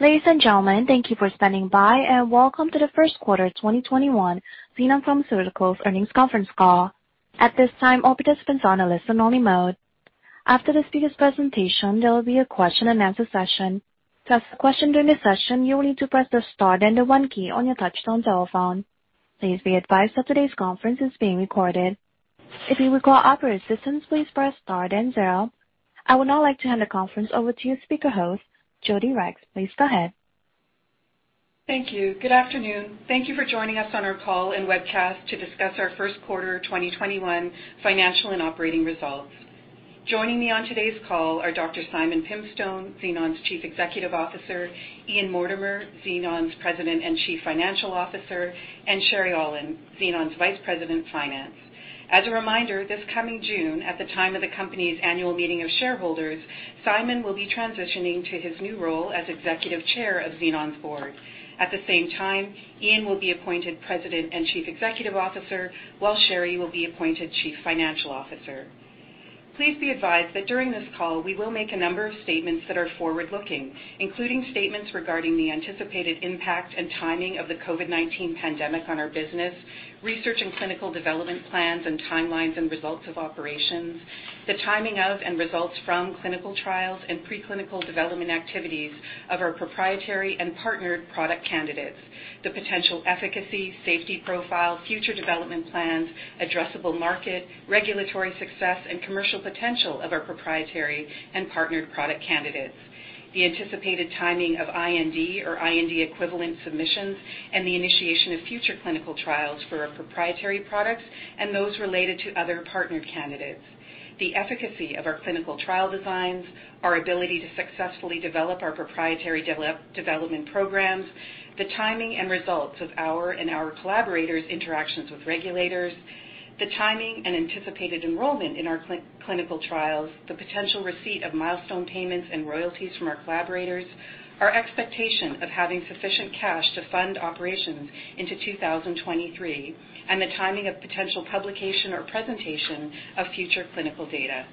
Ladies and gentlemen, thank you for standing by and welcome to the first quarter 2021 Xenon Pharmaceuticals earnings conference call. At this time, I'll be placing on listen only mode. After the speaker's presentation, there will be a question and answer session. To ask a question during the session, you will need to press the star then the one key on your touchtone telephone. Please be advised that today's conference is being recorded. If you require operator assistance, please press star then zero. I would now like to hand the conference over to your speaker host, Jodi Regts. Please go ahead. Thank you. Good afternoon. Thank you for joining us on our call and webcast to discuss our first quarter 2021 financial and operating results. Joining me on today's call are Dr. Simon Pimstone, Xenon's Chief Executive Officer, Ian Mortimer, Xenon's President and Chief Financial Officer, and Sherri Aulin, Xenon's Vice President, Finance. As a reminder, this coming June, at the time of the company's annual meeting of shareholders, Simon will be transitioning to his new role as Executive Chair of Xenon's board. At the same time, Ian will be appointed President and Chief Executive Officer, while Sherri will be appointed Chief Financial Officer. Please be advised that during this call, we will make a number of statements that are forward-looking, including statements regarding the anticipated impact and timing of the COVID-19 pandemic on our business, research and clinical development plans and timelines and results of operations, the timing of and results from clinical trials and preclinical development activities of our proprietary and partnered product candidates, the potential efficacy, safety profile, future development plans, addressable market, regulatory success, and commercial potential of our proprietary and partnered product candidates. The anticipated timing of IND or IND equivalent submissions and the initiation of future clinical trials for our proprietary products and those related to other partner candidates. The efficacy of our clinical trial designs, our ability to successfully develop our proprietary development programs, the timing and results of our and our collaborators' interactions with regulators, the timing and anticipated enrollment in our clinical trials, the potential receipt of milestone payments and royalties from our collaborators, our expectation of having sufficient cash to fund operations into 2023, and the timing of potential publication or presentation of future clinical data.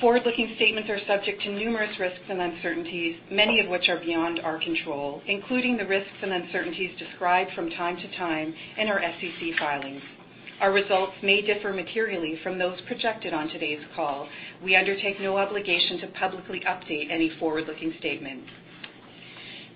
Forward-looking statements are subject to numerous risks and uncertainties, many of which are beyond our control, including the risks and uncertainties described from time to time in our SEC filings. Our results may differ materially from those projected on today's call. We undertake no obligation to publicly update any forward-looking statement.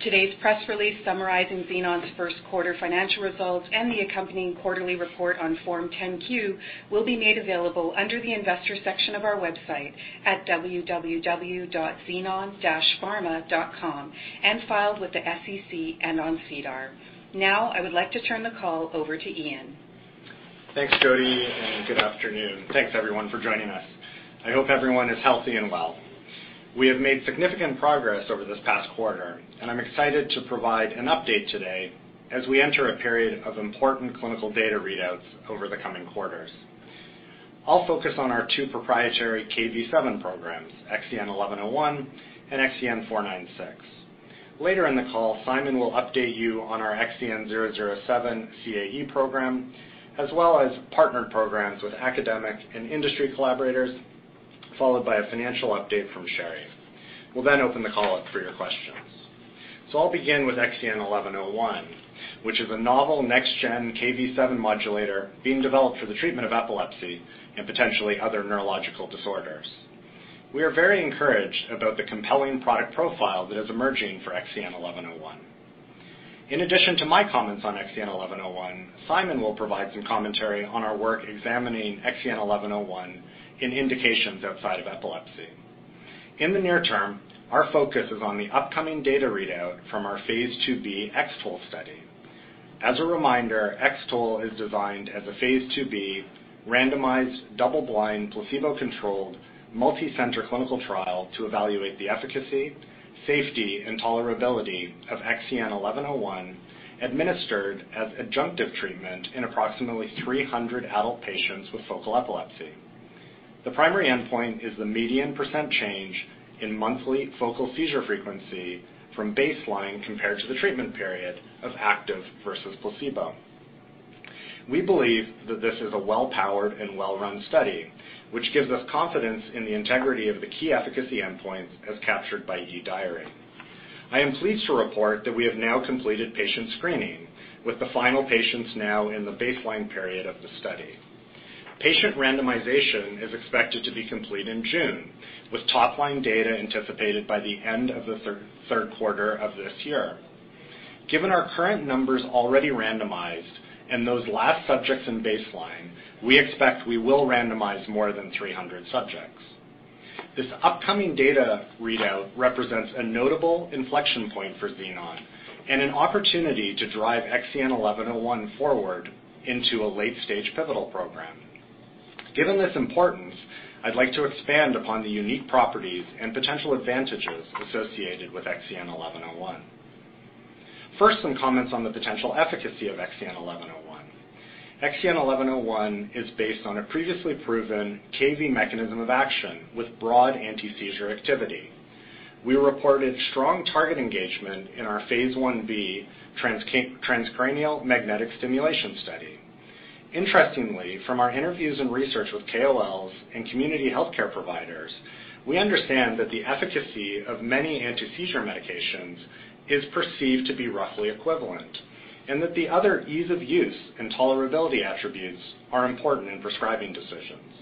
Today's press release summarizing Xenon's first quarter financial results and the accompanying quarterly report on Form 10-Q will be made available under the Investors section of our website at www.xenon-pharma.com and filed with the SEC and on SEDAR. Now, I would like to turn the call over to Ian. Thanks, Jodi, good afternoon. Thanks, everyone, for joining us. I hope everyone is healthy and well. We have made significant progress over this past quarter. I'm excited to provide an update today as we enter a period of important clinical data readouts over the coming quarters. I'll focus on our two proprietary Kv7 programs, XEN1101 and XEN496. Later in the call, Simon will update you on our XEN007 CAE program, as well as partnered programs with academic and industry collaborators, followed by a financial update from Sherri. We'll open the call up for your questions. I'll begin with XEN1101, which is a novel next gen Kv7 modulator being developed for the treatment of epilepsy and potentially other neurological disorders. We are very encouraged about the compelling product profile that is emerging for XEN1101. In addition to my comments on XEN1101, Simon will provide some commentary on our work examining XEN1101 in indications outside of epilepsy. In the near term, our focus is on the upcoming data readout from our phase IIb X-TOLE study. As a reminder, X-TOLE is designed as a phase IIb randomized, double-blind, placebo-controlled, multi-center clinical trial to evaluate the efficacy, safety, and tolerability of XEN1101 administered as adjunctive treatment in approximately 300 adult patients with focal epilepsy. The primary endpoint is the median % change in monthly focal seizure frequency from baseline compared to the treatment period of active versus placebo. We believe that this is a well-powered and well-run study, which gives us confidence in the integrity of the key efficacy endpoints as captured by eDiary. I am pleased to report that we have now completed patient screening, with the final patients now in the baseline period of the study. Patient randomization is expected to be complete in June, with top line data anticipated by the end of the third quarter of this year. Given our current numbers already randomized and those last subjects in baseline, we expect we will randomize more than 300 subjects. This upcoming data readout represents a notable inflection point for Xenon and an opportunity to drive XEN1101 forward into a late-stage pivotal program. Given this importance, I'd like to expand upon the unique properties and potential advantages associated with XEN1101. First, some comments on the potential efficacy of XEN1101. XEN1101 is based on a previously proven Kv7 mechanism of action with broad anti-seizure activity. We reported strong target engagement in our phase I-B transcranial magnetic stimulation study. Interestingly, from our interviews and research with KOLs and community healthcare providers, we understand that the efficacy of many anti-seizure medications is perceived to be roughly equivalent, and that the other ease of use and tolerability attributes are important in prescribing decisions.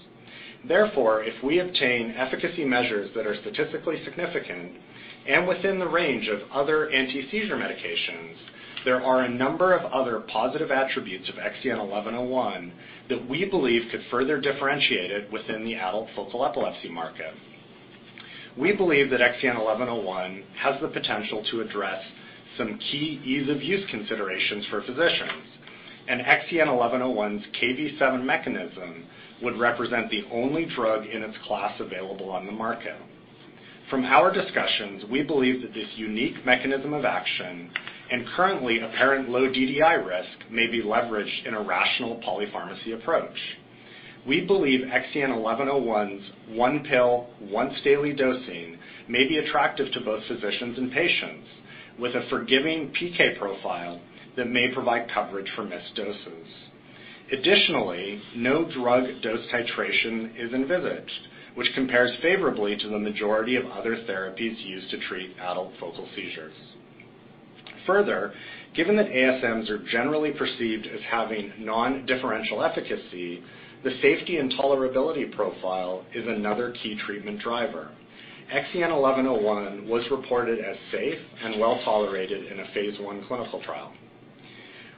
Therefore, if we obtain efficacy measures that are statistically significant and within the range of other anti-seizure medications, there are a number of other positive attributes of XEN1101 that we believe could further differentiate it within the adult focal epilepsy market. We believe that XEN1101 has the potential to address some key ease-of-use considerations for physicians, and XEN1101's Kv7 mechanism would represent the only drug in its class available on the market. From our discussions, we believe that this unique mechanism of action and currently apparent low DDI risk may be leveraged in a rational polypharmacy approach. We believe XEN1101's one pill, once-daily dosing may be attractive to both physicians and patients, with a forgiving PK profile that may provide coverage for missed doses. Additionally, no drug dose titration is envisaged, which compares favorably to the majority of other therapies used to treat adult focal seizures. Further, given that ASMs are generally perceived as having non-differential efficacy, the safety and tolerability profile is another key treatment driver. XEN1101 was reported as safe and well-tolerated in a Phase I clinical trial.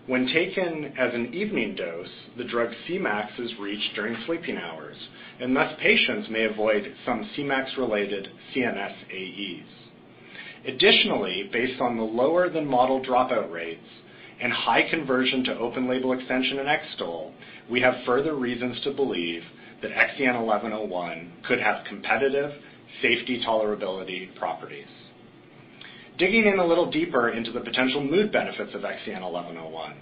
When taken as an evening dose, the drug Cmax is reached during sleeping hours, and thus patients may avoid some Cmax-related CNS AEs. Additionally, based on the lower-than-modeled dropout rates and high conversion to open label extension and X-TOLE, we have further reasons to believe that XEN1101 could have competitive safety tolerability properties. Digging in a little deeper into the potential mood benefits of XEN1101,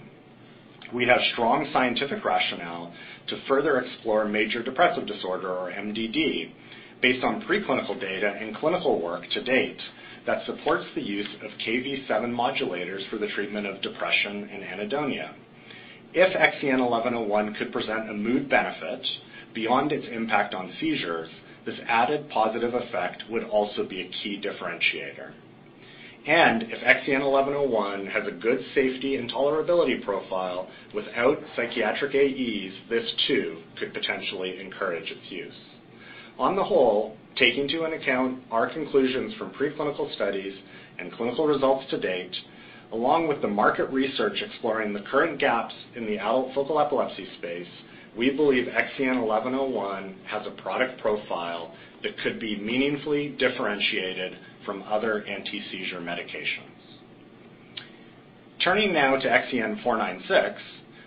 we have strong scientific rationale to further explore major depressive disorder, or MDD, based on pre-clinical data and clinical work to date that supports the use of Kv7 modulators for the treatment of depression and anhedonia. If XEN1101 could present a mood benefit beyond its impact on seizures, this added positive effect would also be a key differentiator. If XEN1101 has a good safety and tolerability profile without psychiatric AEs, this too could potentially encourage its use. On the whole, taking into account our conclusions from preclinical studies and clinical results to date, along with the market research exploring the current gaps in the adult focal epilepsy space, we believe XEN1101 has a product profile that could be meaningfully differentiated from other anti-seizure medications. Turning now to XEN496,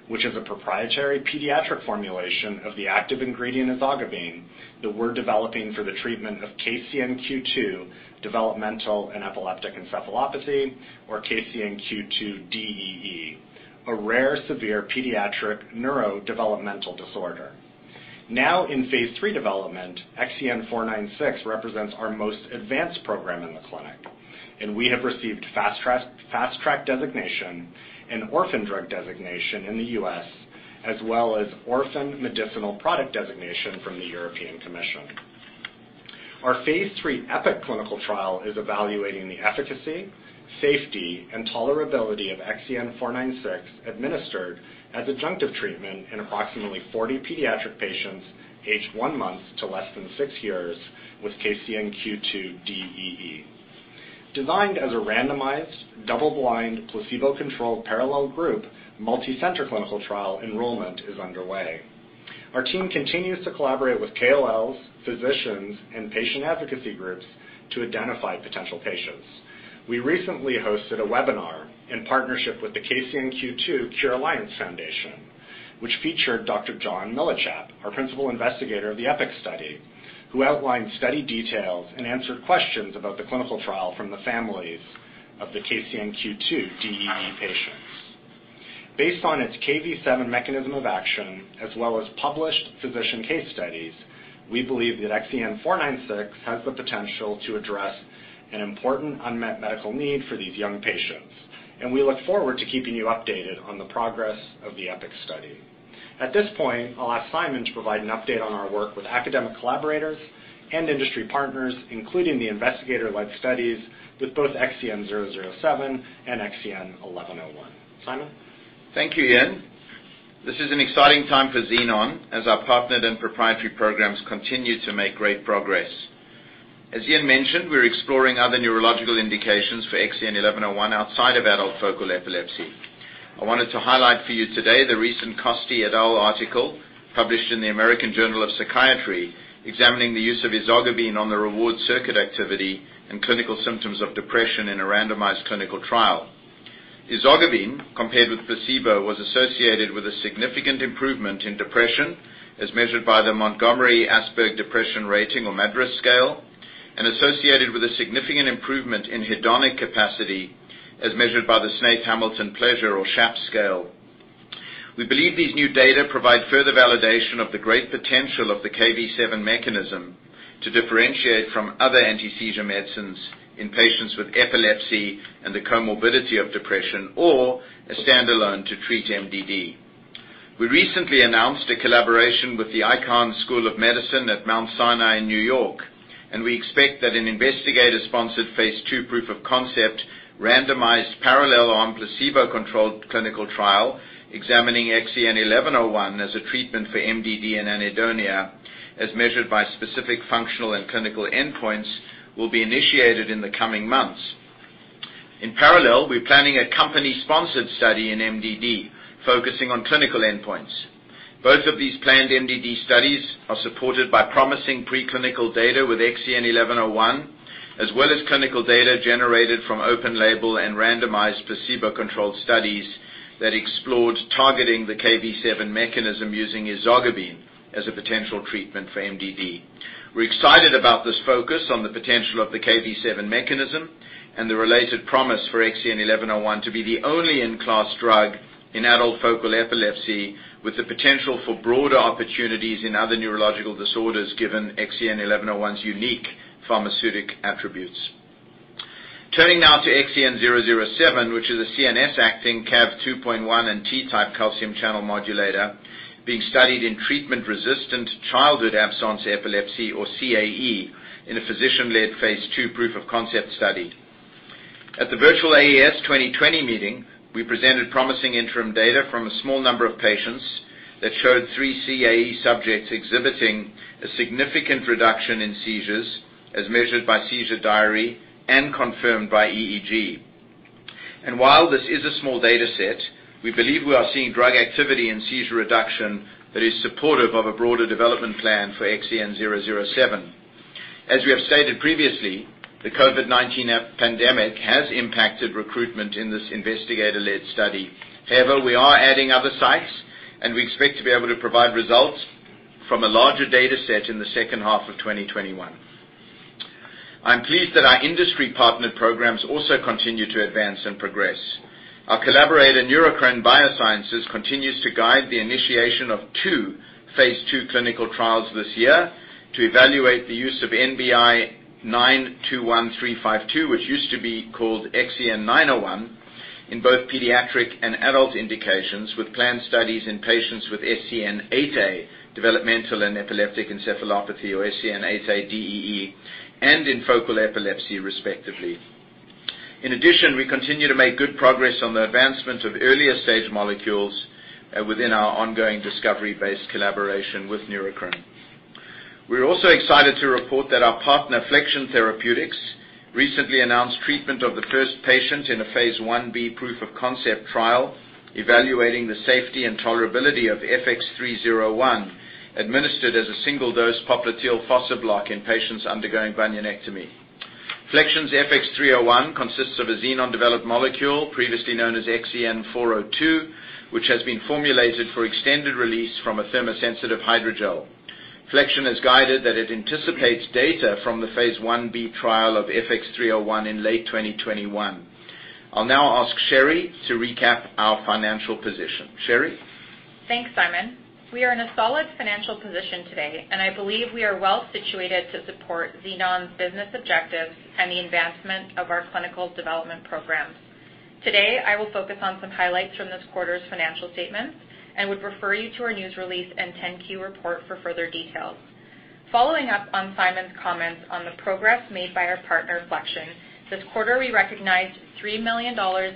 which is a proprietary pediatric formulation of the active ingredient ezogabine that we're developing for the treatment of KCNQ2 developmental and epileptic encephalopathy, or KCNQ2 DEE, a rare, severe pediatric neurodevelopmental disorder. Now in phase III development, XEN496 represents our most advanced program in the clinic, and we have received Fast Track designation and Orphan Drug designation in the U.S., as well as Orphan Medicinal Product Designation from the European Commission. Our phase III EPIK clinical trial is evaluating the efficacy, safety, and tolerability of XEN496 administered as adjunctive treatment in approximately 40 pediatric patients aged one month to less than six years with KCNQ2-DEE. Designed as a randomized, double-blind, placebo-controlled, parallel group, multi-center clinical trial, enrollment is underway. Our team continues to collaborate with KOLs, physicians, and patient advocacy groups to identify potential patients. We recently hosted a webinar in partnership with the KCNQ2 Cure Alliance Foundation, which featured Dr. John Millichap, our principal investigator of the EPIK study, who outlined study details and answered questions about the clinical trial from the families of the KCNQ2-DEE patients. Based on its Kv7 mechanism of action, as well as published physician case studies, we believe that XEN496 has the potential to address an important unmet medical need for these young patients, and we look forward to keeping you updated on the progress of the EPIK study. At this point, I'll ask Simon to provide an update on our work with academic collaborators and industry partners, including the investigator-led studies with both XEN007 and XEN1101. Simon? Thank you, Ian. This is an exciting time for Xenon as our partnered and proprietary programs continue to make great progress. As Ian mentioned, we're exploring other neurological indications for XEN1101 outside of adult focal epilepsy. I wanted to highlight for you today the recent Costi et al. Article published in The American Journal of Psychiatry examining the use of ezogabine on the reward circuit activity and clinical symptoms of depression in a randomized clinical trial. Ezogabine, compared with placebo, was associated with a significant improvement in depression, as measured by the Montgomery-Åsberg Depression Rating, or MADRS scale, and associated with a significant improvement in hedonic capacity, as measured by the Snaith-Hamilton Pleasure, or SHAP, scale. We believe these new data provide further validation of the great potential of the Kv7 mechanism to differentiate from other anti-seizure medicines in patients with epilepsy and the comorbidity of depression, or a standalone to treat MDD. We recently announced a collaboration with the Icahn School of Medicine at Mount Sinai in New York. We expect that an investigator-sponsored Phase II proof of concept randomized, parallel arm, placebo-controlled clinical trial examining XEN1101 as a treatment for MDD and anhedonia, as measured by specific functional and clinical endpoints, will be initiated in the coming months. In parallel, we're planning a company-sponsored study in MDD focusing on clinical endpoints. Both of these planned MDD studies are supported by promising preclinical data with XEN1101, as well as clinical data generated from open label and randomized placebo-controlled studies that explored targeting the Kv7 mechanism using ezogabine as a potential treatment for MDD. We're excited about this focus on the potential of the Kv7 mechanism and the related promise for XEN1101 to be the only in-class drug in adult focal epilepsy, with the potential for broader opportunities in other neurological disorders given XEN1101's unique pharmaceutic attributes. Turning now to XEN007, which is a CNS acting Cav2.1 and T-type calcium channel modulator being studied in treatment-resistant childhood absence epilepsy, or CAE, in a physician-led phase II proof of concept study. At the virtual AES 2020 meeting, we presented promising interim data from a small number of patients that showed three CAE subjects exhibiting a significant reduction in seizures as measured by seizure diary and confirmed by EEG. While this is a small data set, we believe we are seeing drug activity and seizure reduction that is supportive of a broader development plan for XEN007. As we have stated previously, the COVID-19 pandemic has impacted recruitment in this investigator led study. We are adding other sites and we expect to be able to provide results from a larger data set in the second half of 2021. I'm pleased that our industry partner programs also continue to advance and progress. Our collaborator, Neurocrine Biosciences, continues to guide the initiation of two Phase II clinical trials this year to evaluate the use of NBI-921352, which used to be called XEN901, in both pediatric and adult indications with planned studies in patients with SCN8A developmental and epileptic encephalopathy, or SCN8A DEE, and in focal epilepsy, respectively. We continue to make good progress on the advancement of earlier stage molecules within our ongoing discovery-based collaboration with Neurocrine. We're also excited to report that our partner, Flexion Therapeutics, recently announced treatment of the first patient in a phase I-B proof of concept trial evaluating the safety and tolerability of FX-301 administered as a single dose popliteal fossa block in patients undergoing bunionectomy. Flexion's FX-301 consists of a Xenon developed molecule, previously known as XEN402, which has been formulated for extended release from a thermosensitive hydrogel. Flexion has guided that it anticipates data from the phase I-B trial of FX-301 in late 2021. I'll now ask Sherri to recap our financial position. Sherri? Thanks, Simon. We are in a solid financial position today, and I believe we are well situated to support Xenon Pharmaceuticals's business objectives and the advancement of our clinical development programs. Today, I will focus on some highlights from this quarter's financial statements and would refer you to our news release and 10-Q report for further details. Following up on Simon's comments on the progress made by our partner, Flexion Therapeutics, this quarter, we recognized $3 million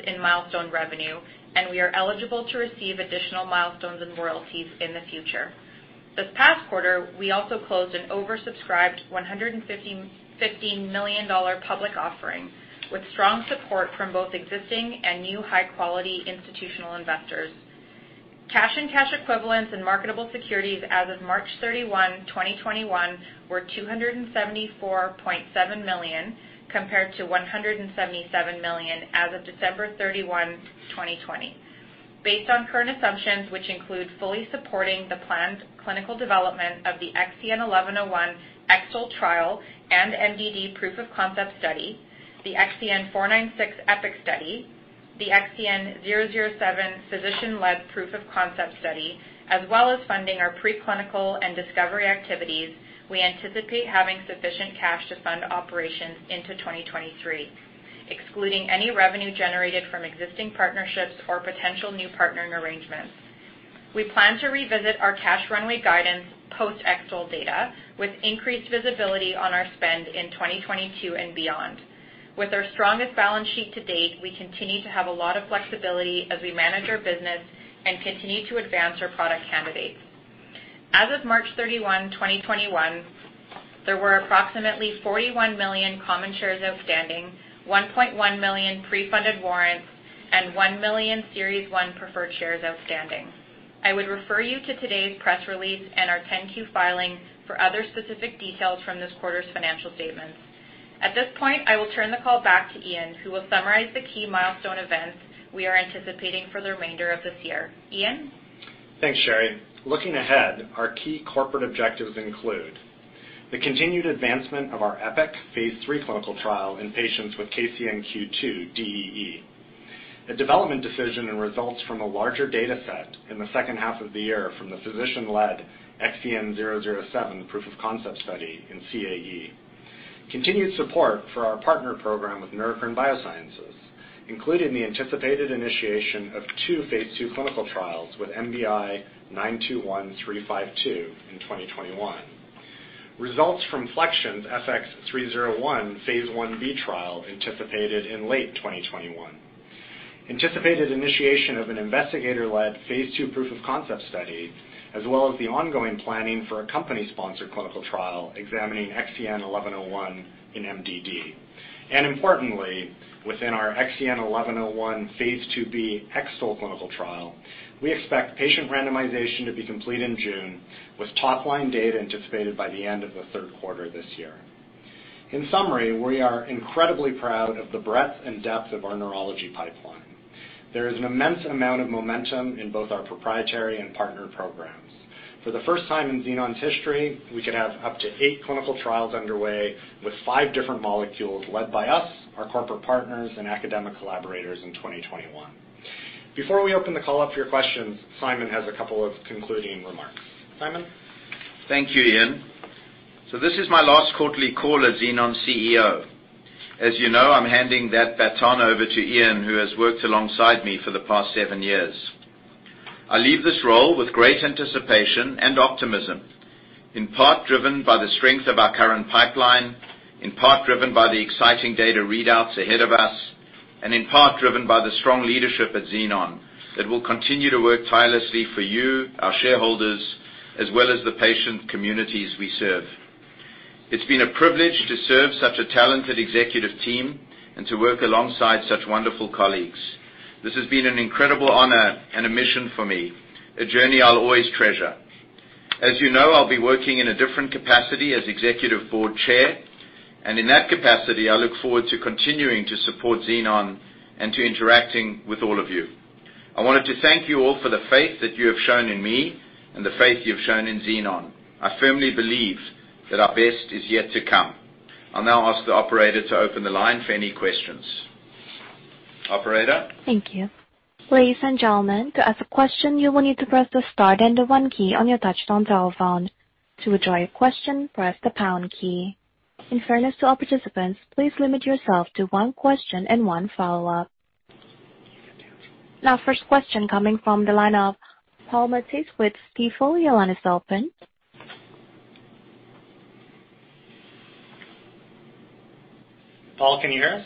in milestone revenue, and we are eligible to receive additional milestones and royalties in the future. This past quarter, we also closed an oversubscribed $115 million public offering with strong support from both existing and new high-quality institutional investors. Cash and cash equivalents and marketable securities as of March 31, 2021, were $274.7 million, compared to $177 million as of December 31, 2020. Based on current assumptions, which include fully supporting the planned clinical development of the XEN1101 X-TOLE trial and MDD proof of concept study, the XEN496 EPIK study, the XEN007 physician-led proof of concept study, as well as funding our preclinical and discovery activities, we anticipate having sufficient cash to fund operations into 2023, excluding any revenue generated from existing partnerships or potential new partnering arrangements. We plan to revisit our cash runway guidance post X-TOLE data with increased visibility on our spend in 2022 and beyond. With our strongest balance sheet to date, we continue to have a lot of flexibility as we manage our business and continue to advance our product candidates. As of March 31, 2021, there were approximately 41 million common shares outstanding, 1.1 million pre-funded warrants, and 1 million Series 1 preferred shares outstanding. I would refer you to today's press release and our 10-Q filing for other specific details from this quarter's financial statements. At this point, I will turn the call back to Ian, who will summarize the key milestone events we are anticipating for the remainder of this year. Ian? Thanks, Sherri. Looking ahead, our key corporate objectives include the continued advancement of our EPIK phase III clinical trial in patients with KCNQ2-DEE A development decision and results from a larger data set in the second half of the year from the physician-led XEN007 proof of concept study in CAE. Continued support for our partner program with Neurocrine Biosciences, including the anticipated initiation of two phase II clinical trials with NBI-921352 in 2021. Results from Flexion's FX-301 phase I-B trial anticipated in late 2021. Anticipated initiation of an investigator-led phase II proof of concept study, as well as the ongoing planning for a company-sponsored clinical trial examining XEN1101 in MDD. Importantly, within our XEN1101 phase IIb X-TOLE clinical trial, we expect patient randomization to be complete in June, with top-line data anticipated by the end of the third quarter this year. In summary, we are incredibly proud of the breadth and depth of our neurology pipeline. There is an immense amount of momentum in both our proprietary and partner programs. For the first time in Xenon's history, we could have up to eight clinical trials underway with five different molecules led by us, our corporate partners, and academic collaborators in 2021. Before we open the call up for your questions, Simon has a couple of concluding remarks. Simon? Thank you, Ian. This is my last quarterly call as Xenon's CEO. As you know, I'm handing that baton over to Ian, who has worked alongside me for the past seven years. I leave this role with great anticipation and optimism, in part driven by the strength of our current pipeline, in part driven by the exciting data readouts ahead of us, and in part driven by the strong leadership at Xenon that will continue to work tirelessly for you, our shareholders, as well as the patient communities we serve. It's been a privilege to serve such a talented executive team and to work alongside such wonderful colleagues. This has been an incredible honor and a mission for me, a journey I'll always treasure. As you know, I'll be working in a different capacity as executive board chair, and in that capacity, I look forward to continuing to support Xenon and to interacting with all of you. I wanted to thank you all for the faith that you have shown in me and the faith you've shown in Xenon. I firmly believe that our best is yet to come. I'll now ask the operator to open the line for any questions. Operator? Thank you. Ladies and gentlemen, to ask a question, you will need to press the star then the one key on your touchtone telephone. To withdraw your question, press the pound key. In fairness to all participants, please limit yourself to one question and one follow-up. Now, first question coming from the line of Paul Matteis with Stifel. Your line is open. Paul, can you hear us?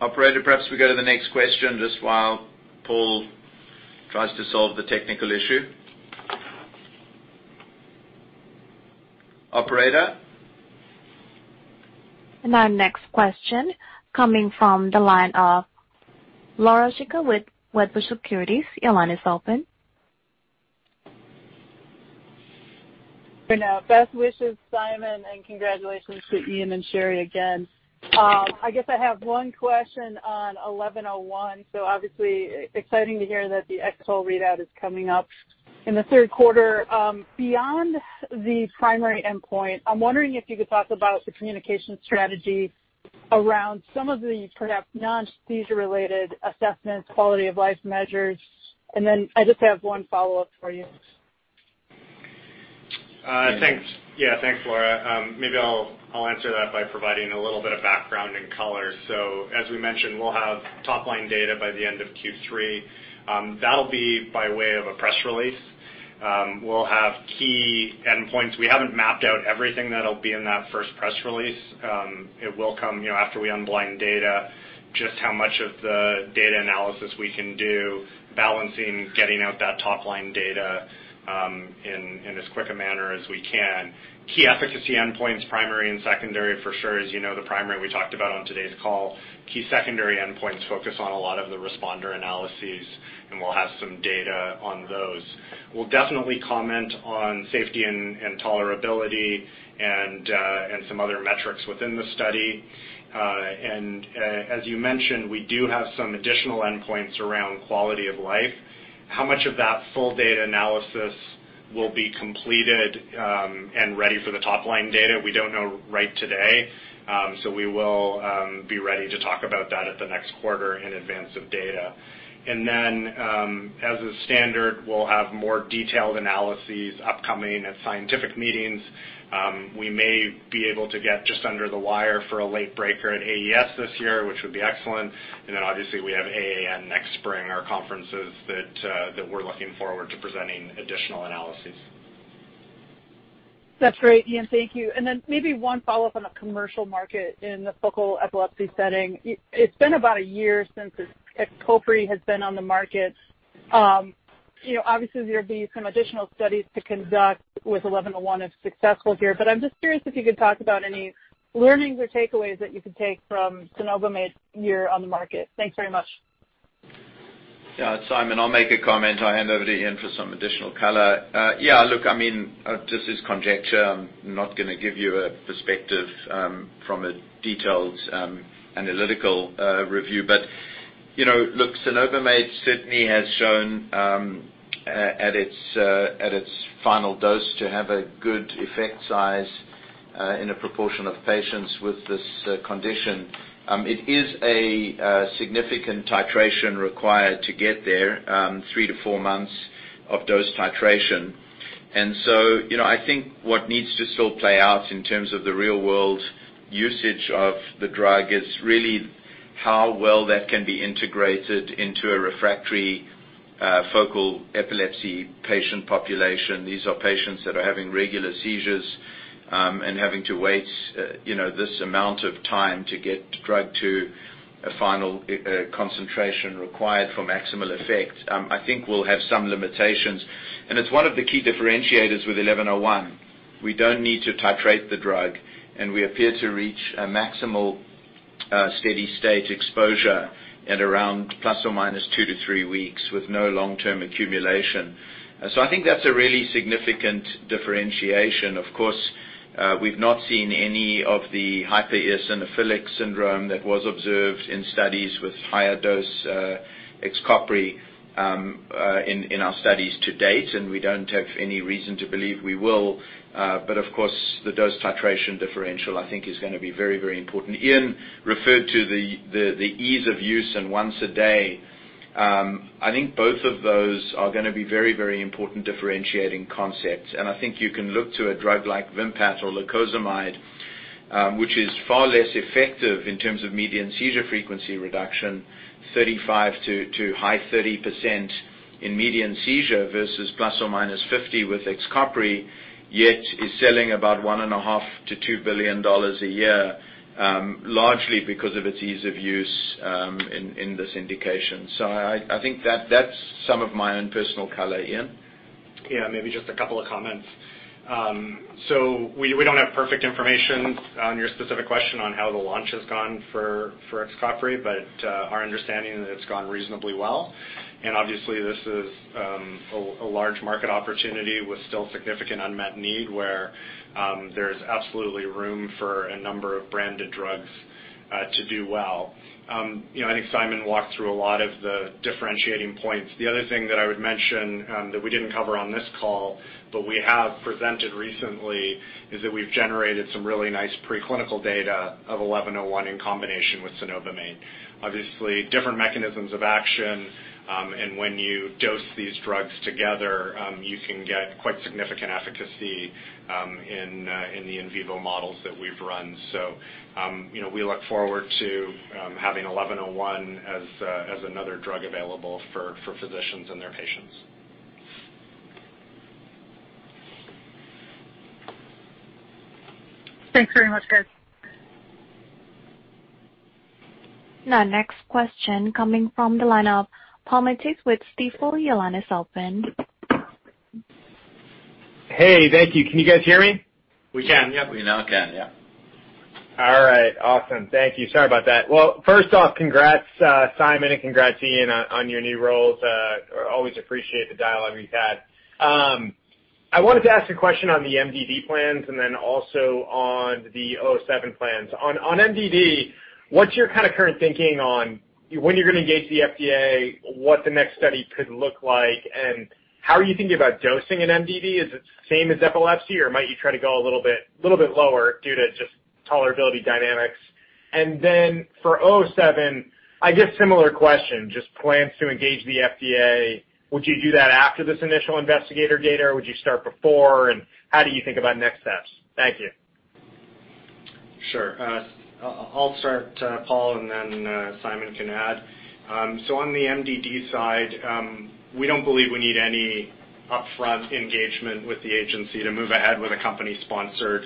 Operator, perhaps we go to the next question just while Paul tries to solve the technical issue. Operator? Our next question coming from the line of Laura Chico with Wedbush Securities. Your line is open. For now. Best wishes, Simon, and congratulations to Ian and Sherri again. I guess I have one question on XEN1101. Obviously exciting to hear that the X-TOLE readout is coming up in the third quarter. Beyond the primary endpoint, I'm wondering if you could talk about the communication strategy around some of the perhaps non-seizure related assessments, quality of life measures, and then I just have one follow-up for you. Thanks. Yeah. Thanks, Laura. Maybe I'll answer that by providing a little bit of background and color. As we mentioned, we'll have top-line data by the end of Q3. That'll be by way of a press release. We'll have key endpoints. We haven't mapped out everything that'll be in that first press release. It will come after we unblind data, just how much of the data analysis we can do, balancing getting out that top-line data in as quick a manner as we can. Key efficacy endpoints, primary and secondary for sure. As you know, the primary we talked about on today's call. Key secondary endpoints focus on a lot of the responder analyses, and we'll have some data on those. We'll definitely comment on safety and tolerability and some other metrics within the study. As you mentioned, we do have some additional endpoints around quality of life. How much of that full data analysis will be completed and ready for the top-line data, we don't know right today. We will be ready to talk about that at the next quarter in advance of data. As a standard, we'll have more detailed analyses upcoming at scientific meetings. We may be able to get just under the wire for a late breaker at AES this year, which would be excellent. Obviously we have AAN next spring, our conferences that we're looking forward to presenting additional analyses. That's great, Ian. Thank you. Maybe one follow-up on a commercial market in the focal epilepsy setting. It's been about a year since XCOPRI has been on the market. Obviously, there'd be some additional studies to conduct with 1101 if successful here, but I'm just curious if you could talk about any learnings or takeaways that you could take from cenobamate's year on the market. Thanks very much. Yeah, it's Simon. I'll make a comment. I'll hand over to Ian for some additional color. Yeah, look, this is conjecture. I'm not going to give you a perspective from a detailed analytical review. Look, cenobamate certainly has shown at its final dose to have a good effect size in a proportion of patients with this condition. It is a significant titration required to get there, three to four months of dose titration. I think what needs to still play out in terms of the real-world usage of the drug is really how well that can be integrated into a refractory focal epilepsy patient population. These are patients that are having regular seizures and having to wait this amount of time to get the drug to a final concentration required for maximal effect. I think we'll have some limitations, and it's one of the key differentiators with 1101. We don't need to titrate the drug, and we appear to reach a maximal steady state exposure at around ± two to three weeks with no long-term accumulation. I think that's a really significant differentiation. Of course, we've not seen any of the hypereosinophilic syndrome that was observed in studies with higher dose XCOPRI in our studies to date, and we don't have any reason to believe we will. Of course, the dose titration differential, I think, is going to be very, very important. Ian referred to the ease of use and once a day. I think both of those are going to be very, very important differentiating concepts. I think you can look to a drug like Vimpat or lacosamide, which is far less effective in terms of median seizure frequency reduction, 35%-high 30% in median seizure versus ±50 with XCOPRI, yet is selling about $1.5 billion-$2 billion a year, largely because of its ease of use in this indication. I think that's some of my own personal color. Ian? Yeah, maybe just a couple of comments. We don't have perfect information on your specific question on how the launch has gone for XCOPRI, but our understanding is that it's gone reasonably well. Obviously, this is a large market opportunity with still significant unmet need, where there's absolutely room for a number of branded drugs to do well. I think Simon walked through a lot of the differentiating points. The other thing that I would mention that we didn't cover on this call, but we have presented recently, is that we've generated some really nice preclinical data of 1101 in combination with cenobamate. Obviously, different mechanisms of action, and when you dose these drugs together, you can get quite significant efficacy in the in vivo models that we've run. We look forward to having 1101 as another drug available for physicians and their patients. Thanks very much, guys. Now, next question coming from the line of Paul Matteis with Stifel. Your line is open. Hey, thank you. Can you guys hear me? We can, yep. We now can, yeah. First off, congrats Simon, and congrats Ian on your new roles. Always appreciate the dialogue we've had. I wanted to ask a question on the MDD plans and then also on the 007 plans. On MDD, what's your current thinking on when you're going to engage the FDA, what the next study could look like, and how are you thinking about dosing in MDD? Is it the same as epilepsy, or might you try to go a little bit lower due to just tolerability dynamics? Then for 007, I guess similar question, just plans to engage the FDA. Would you do that after this initial investigator data, or would you start before, and how do you think about next steps? Thank you. I'll start, Paul. Simon can add. On the MDD side, we don't believe we need any upfront engagement with the agency to move ahead with a company-sponsored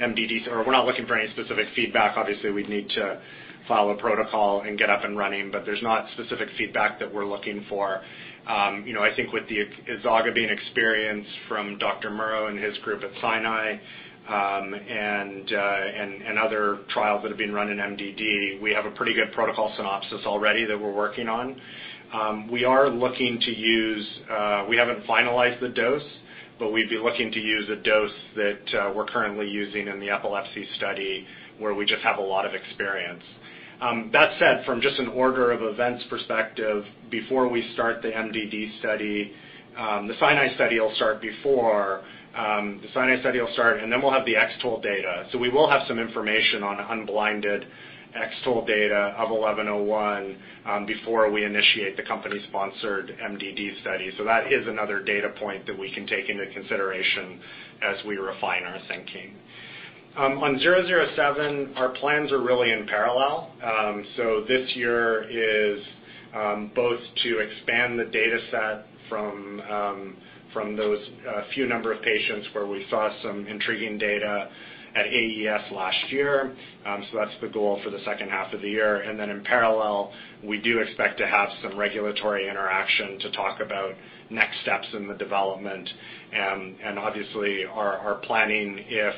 MDD. We're not looking for any specific feedback. Obviously, we'd need to follow protocol and get up and running. There's not specific feedback that we're looking for. I think with the ezogabine experience from Murrough and his group at Sinai, other trials that have been run in MDD, we have a pretty good protocol synopsis already that we're working on. We haven't finalized the dose. We'd be looking to use a dose that we're currently using in the epilepsy study, where we just have a lot of experience. That said, from just an order of events perspective, before we start the MDD study, the Sinai study will start before. The Sinai study will start. We'll have the X-TOLE data. We will have some information on unblinded X-TOLE data of XEN1101 before we initiate the company-sponsored MDD study. That is another data point that we can take into consideration as we refine our thinking. On XEN007, our plans are really in parallel. This year is both to expand the data set from those few number of patients where we saw some intriguing data at AES last year. That's the goal for the second half of the year. In parallel, we do expect to have some regulatory interaction to talk about next steps in the development. Obviously our planning, if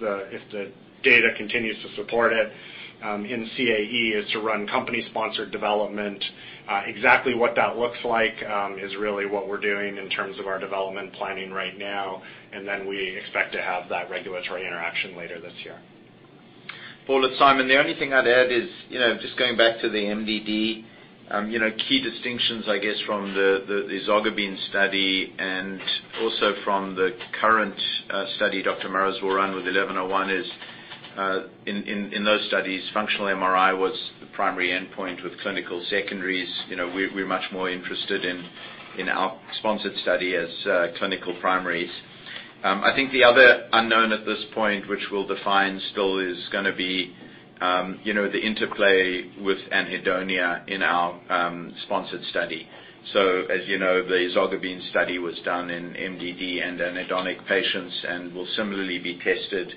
the data continues to support it in CAE, is to run company-sponsored development. Exactly what that looks like is really what we're doing in terms of our development planning right now, and then we expect to have that regulatory interaction later this year. Paul, it's Simon. The only thing I'd add is, just going back to the MDD, key distinctions, I guess, from the ezogabine study and also from the current study Dr. Murrough will run with 1101 is, in those studies, functional MRI was the primary endpoint with clinical secondaries. We're much more interested in our sponsored study as clinical primaries. I think the other unknown at this point, which we'll define still is going to be the interplay with anhedonia in our sponsored study. As you know, the ezogabine study was done in MDD and anhedonic patients and will similarly be tested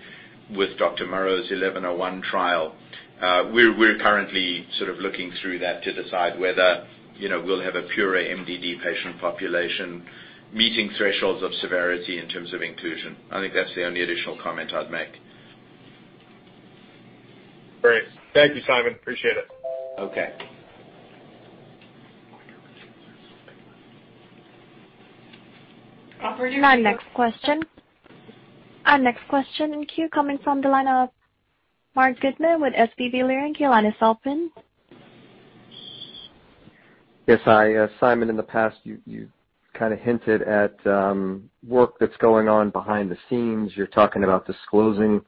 with Dr. Murrough's 1101 trial. We're currently sort of looking through that to decide whether we'll have a purer MDD patient population meeting thresholds of severity in terms of inclusion. I think that's the only additional comment I'd make. Great. Thank you, Simon. Appreciate it. Okay. Operator. Our next question in queue coming from the line of Marc Goodman with SVB Leerink. Your line is open. Yes. Simon, in the past, you kind of hinted at work that's going on behind the scenes. You're talking about disclosing some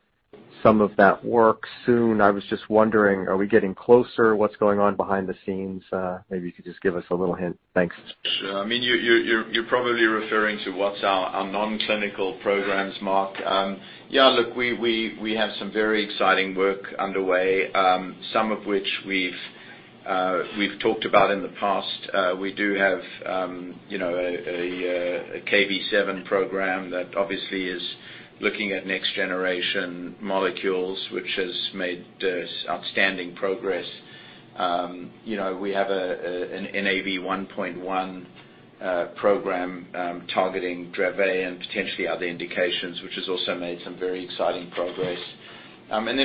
of that work soon. I was just wondering, are we getting closer? What's going on behind the scenes? Maybe you could just give us a little hint. Thanks. Sure. You're probably referring to what's our non-clinical programs, Marc. Yeah, look, we have some very exciting work underway. Some of which we've talked about in the past. We do have a Kv7 program that obviously is looking at next generation molecules, which has made outstanding progress. We have a NAV1.1 program targeting Dravet and potentially other indications, which has also made some very exciting progress.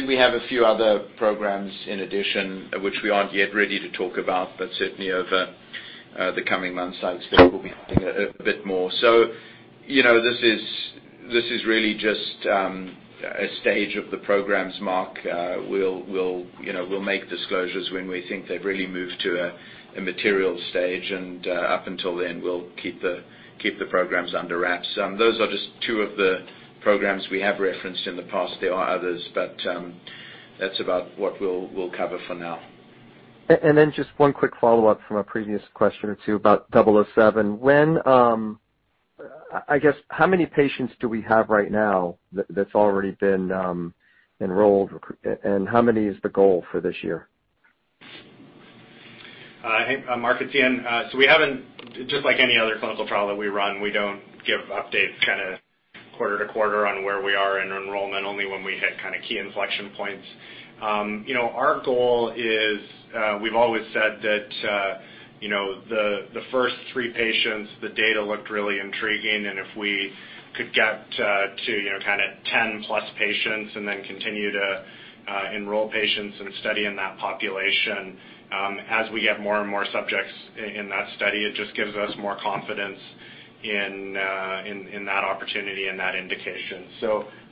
We have a few other programs in addition, which we aren't yet ready to talk about, but certainly over the coming months, I expect we'll be having a bit more. This is really just a stage of the programs, Marc. We'll make disclosures when we think they've really moved to a material stage, and up until then, we'll keep the programs under wraps. Those are just two of the programs we have referenced in the past. There are others, but that's about what we'll cover for now. Just one quick follow-up from a previous question or two about 007. I guess, how many patients do we have right now that's already been enrolled, and how many is the goal for this year? Marc, it's Ian. We haven't, just like any other clinical trial that we run, we don't give updates kind of quarter to quarter on where we are in enrollment, only when we hit kind of key inflection points. Our goal is, we've always said that the first three patients, the data looked really intriguing, and if we could get to kind of 10-plus patients and then continue to enroll patients and study in that population. As we get more and more subjects in that study, it just gives us more confidence in that opportunity and that indication.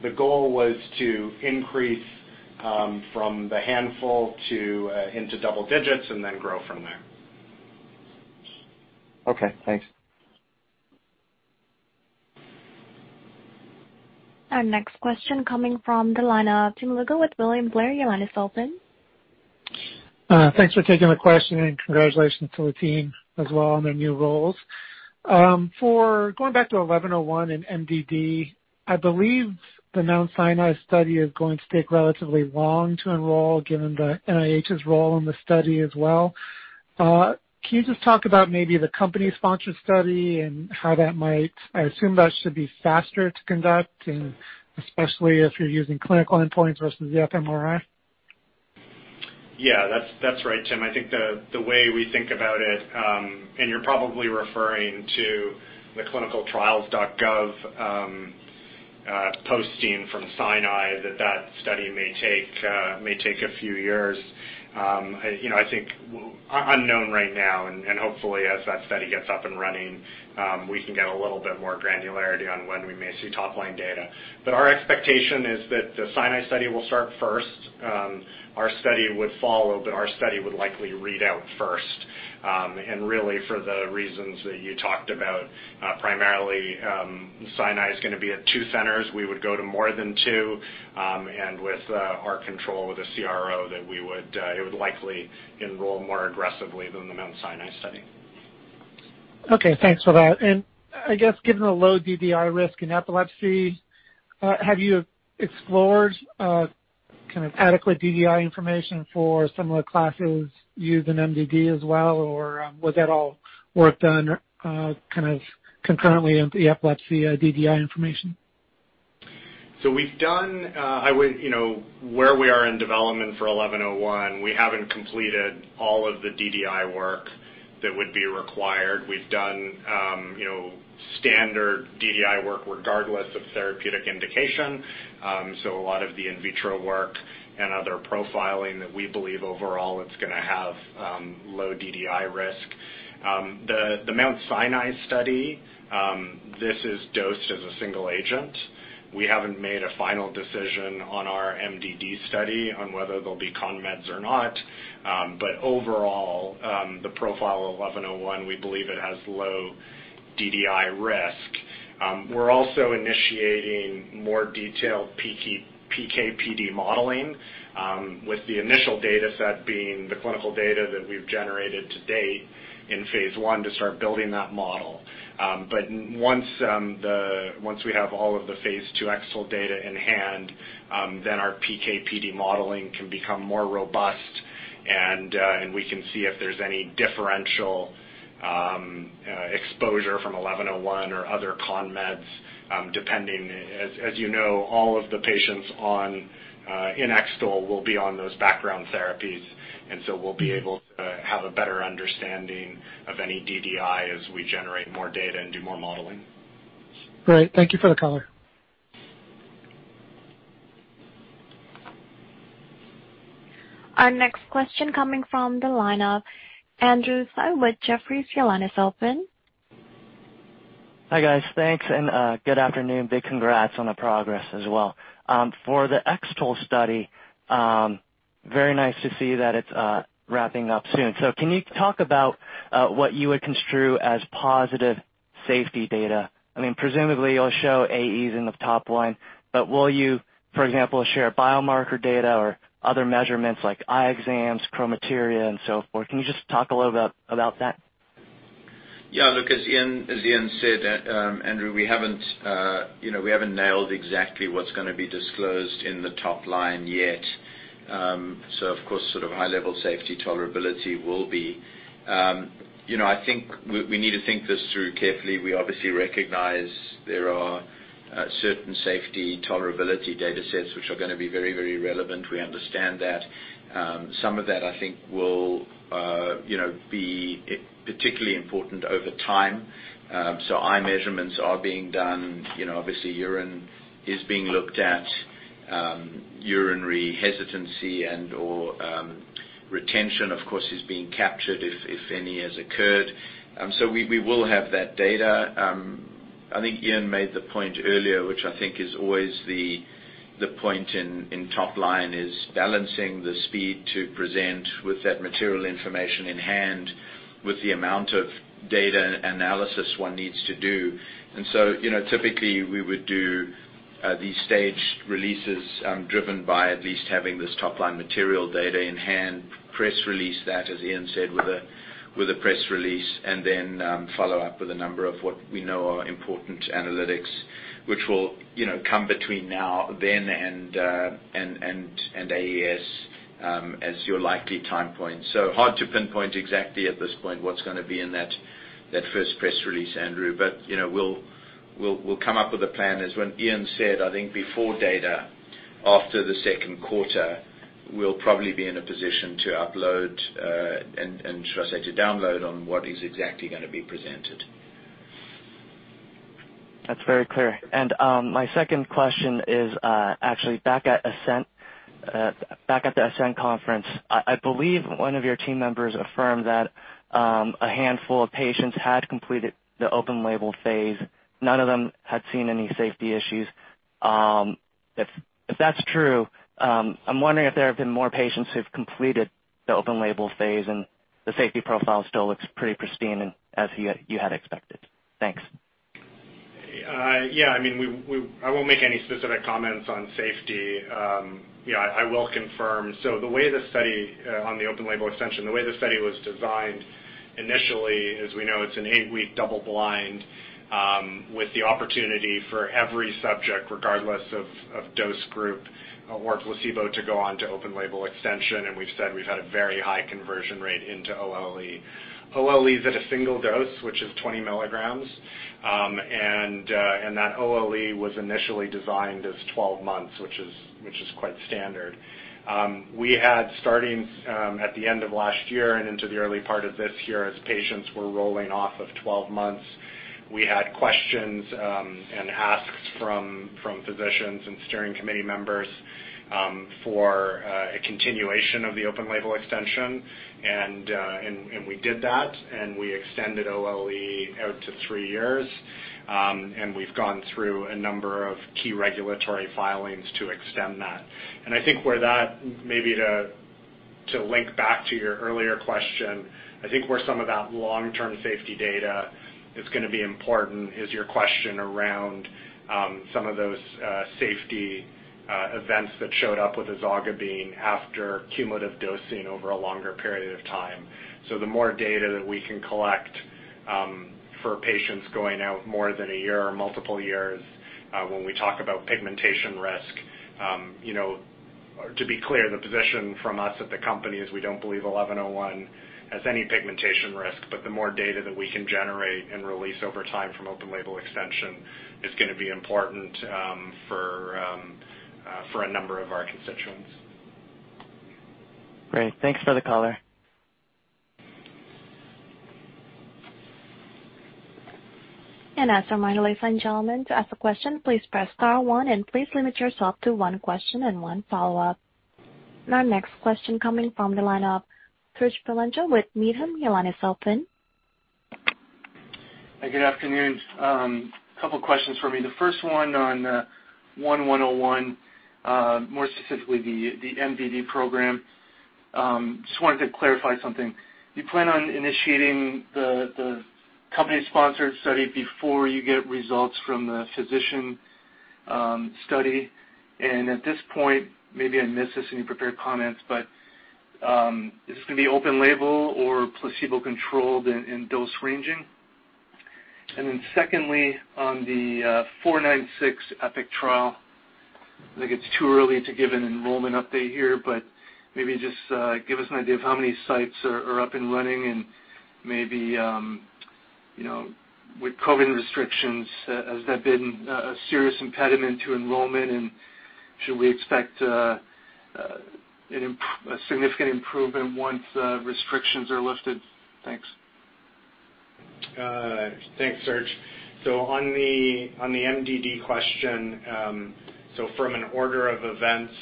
The goal was to increase from the handful into double digits and then grow from there. Okay, thanks. Our next question coming from the line of Tim Lugo with William Blair. Your line is open. Thanks for taking the question, and congratulations to the team as well on their new roles. Going back to XEN1101 and MDD, I believe the Mount Sinai study is going to take relatively long to enroll, given the NIH's role in the study as well. Can you just talk about maybe the company-sponsored study and how I assume that should be faster to conduct, and especially if you're using clinical endpoints versus the fMRI? Yeah. That's right, Tim. I think the way we think about it, you're probably referring to the clinicaltrials.gov posting from Sinai, that that study may take a few years. I think unknown right now. Hopefully, as that study gets up and running, we can get a little bit more granularity on when we may see top-line data. Our expectation is that the Sinai study will start first. Our study would follow. Our study would likely read out first. Really for the reasons that you talked about, primarily, Sinai is going to be at two centers. We would go to more than two, and with our control with a CRO that it would likely enroll more aggressively than the Mount Sinai study. Okay. Thanks for that. I guess given the low DDI risk in epilepsy, have you explored adequate DDI information for similar classes used in MDD as well, or was that all work done kind of concurrently in the epilepsy DDI information? Where we are in development for XEN1101, we haven't completed all of the DDI work that would be required. We've done standard DDI work regardless of therapeutic indication. A lot of the in vitro work and other profiling that we believe overall it's going to have low DDI risk. The Mount Sinai study, this is dosed as a single agent. We haven't made a final decision on our MDD study on whether there'll be conmeds or not. Overall, the profile of XEN1101, we believe it has low DDI risk. We're also initiating more detailed PK/PD modeling with the initial data set being the clinical data that we've generated to date in phase I to start building that model. Once we have all of the phase II X-TOLE data in hand, our PK/PD modeling can become more robust and we can see if there's any differential exposure from XEN1101 or other conmeds, depending, as you know, all of the patients in X-TOLE will be on those background therapies. We'll be able to have a better understanding of any DDI as we generate more data and do more modeling. Great. Thank you for the color. Our next question coming from the line of Andrew Tsai with Jefferies. Your line is open. Hi, guys. Thanks, and good afternoon. Big congrats on the progress as well. For the X-TOLE study, very nice to see that it's wrapping up soon. Can you talk about what you would construe as positive safety data? Presumably you'll show AEs in the top line, but will you, for example, share biomarker data or other measurements like eye exams, chromatopsia, and so forth? Can you just talk a little about that? Yeah, look, as Ian said, Andrew, we haven't nailed exactly what's going to be disclosed in the top line yet. Of course, high-level safety tolerability will be. I think we need to think this through carefully. We obviously recognize there are certain safety tolerability data sets which are going to be very relevant. We understand that. Some of that, I think, will be particularly important over time. Eye measurements are being done. Obviously urine is being looked at. Urinary hesitancy and/or retention, of course, is being captured if any has occurred. We will have that data. I think Ian made the point earlier, which I think is always the point in top line is balancing the speed to present with that material information in hand with the amount of data analysis one needs to do. Typically we would do these staged releases driven by at least having this top-line material data in hand, press release that, as Ian said, with a press release, and then follow up with a number of what we know are important analytics, which will come between now, then, and AES as your likely time point. Hard to pinpoint exactly at this point what's going to be in that first press release, Andrew. We'll come up with a plan. As when Ian said, I think before data, after the second quarter, we'll probably be in a position to upload and, should I say, to download on what is exactly going to be presented. That's very clear. My second question is actually back at the Ascend conference. I believe one of your team members affirmed that a handful of patients had completed the open-label phase. None of them had seen any safety issues. If that's true, I'm wondering if there have been more patients who've completed the open-label phase and the safety profile still looks pretty pristine and as you had expected. Thanks. Yeah. I won't make any specific comments on safety. I will confirm. The way the study on the open-label extension, the way the study was designed initially, as we know, it's an 8-week double-blind with the opportunity for every subject, regardless of dose group or placebo, to go on to open-label extension. We've said we've had a very high conversion rate into OLE. OLE is at a single dose, which is 20 milligrams. That OLE was initially designed as 12 months, which is quite standard. We had starting at the end of last year and into the early part of this year as patients were rolling off of 12 months, we had questions and asks from physicians and steering committee members for a continuation of the open-label extension. We did that, and we extended OLE out to three years. We've gone through a number of key regulatory filings to extend that. I think where that maybe to link back to your earlier question, I think where some of that long-term safety data is going to be important is your question around some of those safety events that showed up with ezogabine after cumulative dosing over a longer period of time. The more data that we can collect for patients going out more than a year or multiple years when we talk about pigmentation risk. To be clear, the position from us at the company is we don't believe 1101 has any pigmentation risk, but the more data that we can generate and release over time from open label extension is going to be important for a number of our constituents. Great. Thanks for the call. As a reminder, ladies and gentlemen, to ask a question, please press star one, and please limit yourself to one question and one follow-up. Our next question coming from the line of Serge Belanger with Needham. Your line is open. Hey, good afternoon. Couple questions for me. The first one on XEN1101, more specifically the MDD program. Just wanted to clarify something. Do you plan on initiating the company-sponsored study before you get results from the physician study? At this point, maybe I missed this in your prepared comments, but is this going to be open label or placebo-controlled in dose ranging? Secondly, on the XEN496 EPIK trial, I think it's too early to give an enrollment update here, but maybe just give us an idea of how many sites are up and running and maybe with COVID-19 restrictions, has that been a serious impediment to enrollment? Should we expect a significant improvement once restrictions are lifted? Thanks. Thanks, Serge. On the MDD question, from an order of events,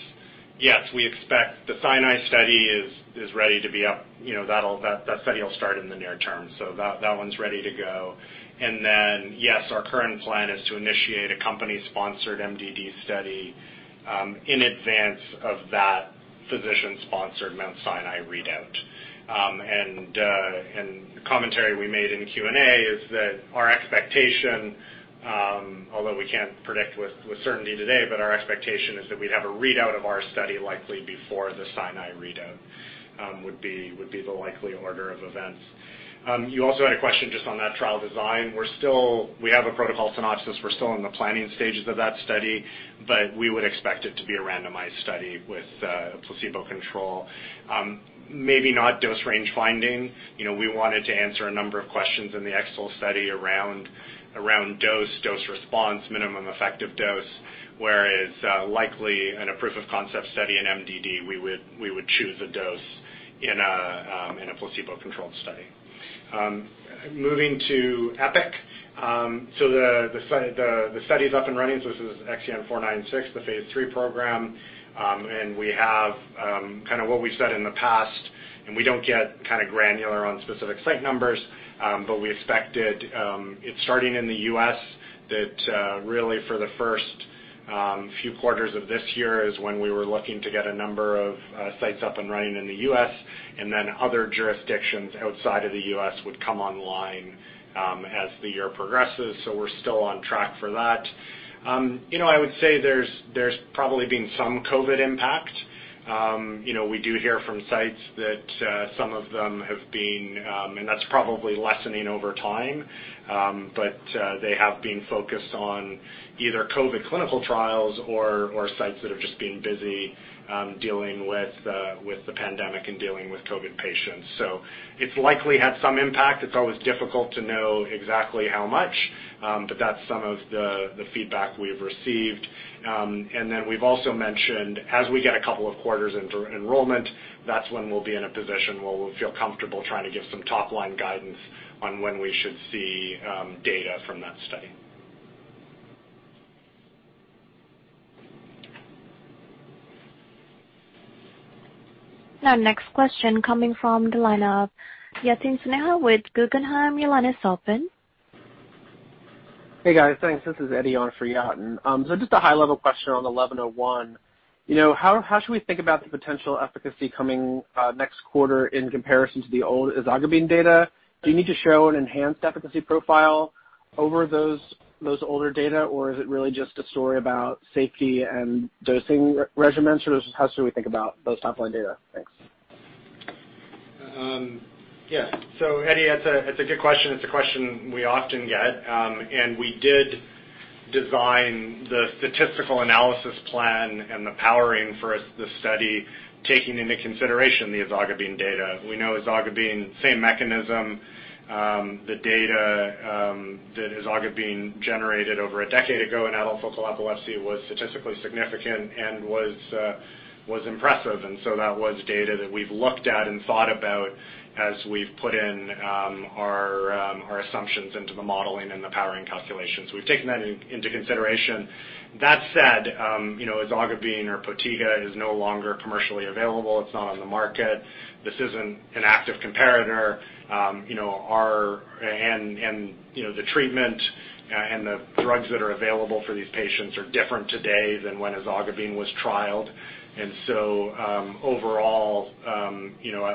yes, we expect the Sinai study is ready to be up. That study will start in the near term. That one's ready to go. Yes, our current plan is to initiate a company-sponsored MDD study in advance of that physician-sponsored Mount Sinai readout. The commentary we made in the Q&A is that our expectation, although we can't predict with certainty today, but our expectation is that we'd have a readout of our study likely before the Sinai readout, would be the likely order of events. You also had a question just on that trial design. We have a protocol synopsis. We're still in the planning stages of that study, but we would expect it to be a randomized study with placebo control. Maybe not dose range finding. We wanted to answer a number of questions in the X-TOLE study around dose response, minimum effective dose. Whereas likely in a proof of concept study in MDD, we would choose a dose in a placebo-controlled study. Moving to EPIK. The study's up and running. This is XEN496, the phase III program. We have kind of what we've said in the past, and we don't get granular on specific site numbers. We expected it starting in the U.S. That really for the first few quarters of this year is when we were looking to get a number of sites up and running in the U.S., and then other jurisdictions outside of the U.S. would come online as the year progresses. We're still on track for that. I would say there's probably been some COVID-19 impact. We do hear from sites that some of them have been, and that's probably lessening over time. They have been focused on either COVID clinical trials or sites that have just been busy dealing with the pandemic and dealing with COVID patients. It's likely had some impact. It's always difficult to know exactly how much, but that's some of the feedback we've received. We've also mentioned, as we get a couple of quarters into enrollment, that's when we'll be in a position where we'll feel comfortable trying to give some top-line guidance on when we should see data from that study. Our next question coming from the line of Yatin Suneja with Guggenheim. Your line is open. Hey, guys. Thanks. This is Eddie on for Yatin. Just a high-level question on XEN1101. How should we think about the potential efficacy coming next quarter in comparison to the old ezogabine data? Do you need to show an enhanced efficacy profile over those older data, or is it really just a story about safety and dosing regimens, or how should we think about those top-line data? Thanks. Yeah. Eddie, that's a good question. It's a question we often get. We did design the statistical analysis plan and the powering for the study, taking into consideration the ezogabine data. We know ezogabine, same mechanism. The data that ezogabine generated over a decade ago in adult focal epilepsy was statistically significant and was impressive. That was data that we've looked at and thought about as we've put in our assumptions into the modeling and the powering calculations. We've taken that into consideration. That said, ezogabine or POTIGA is no longer commercially available. It's not on the market. This isn't an active comparator. The treatment and the drugs that are available for these patients are different today than when ezogabine was trialed. Overall,